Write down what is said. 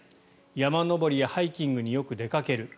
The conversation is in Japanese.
山登りやハイキングによく出かける。